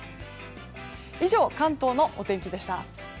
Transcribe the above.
以上、関東のお天気でした。